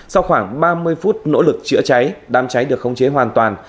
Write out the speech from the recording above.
sau khoảng ba mươi phút nỗ lực chữa cháy đám cháy được khống chế hoàn toàn